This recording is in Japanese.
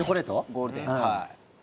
ゴールデン。